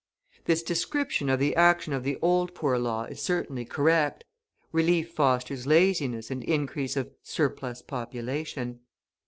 This description of the action of the Old Poor Law is certainly correct; relief fosters laziness and increase of "surplus population."